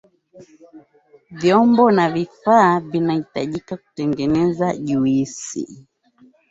Vyombo na vifaa vinavyahitajika kutengeneza juisi